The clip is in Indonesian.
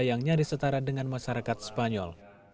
yang nyaris setara dengan masyarakat spanyol